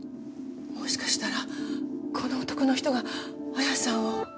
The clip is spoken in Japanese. もしかしたらこの男の人が彩矢さんを。